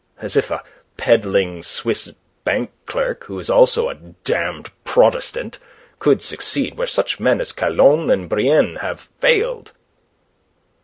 As if a peddling Swiss bank clerk, who is also a damned Protestant, could succeed where such men as Calonne and Brienne have failed."